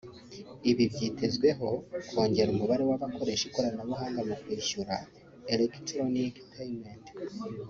Ibi byitezweho kongera umubare w’abakoresha ikoranabuhanga mu kwishyura (Electronic Payment)